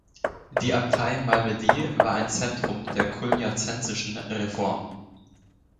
Die Abtei Malmedy war ein Zentrum der cluniazensischen Reform.